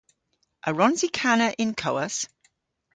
A wrons i kana y'n kowas?